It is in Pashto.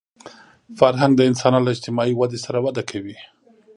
فرهنګ د انسانانو له اجتماعي ودې سره وده کوي